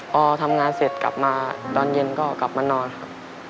พอทำงานเสร็จกลับมาตอนเย็นก็กลับมานอนครับ